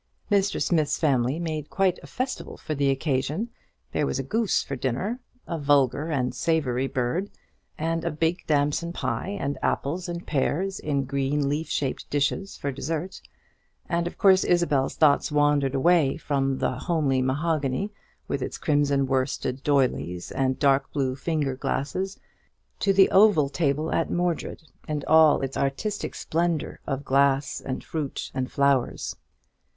Mr. Smith's family made quite a festival for the occasion: there was a goose for dinner, a vulgar and savoury bird; and a big damson pie, and apples and pears in green leaf shaped dishes for dessert; and of course Isabel's thoughts wandered away from that homely mahogany, with its crimson worsted d'oyleys and dark blue finger glasses, to the oval table at Mordred and all its artistic splendour of glass and fruit and flowers.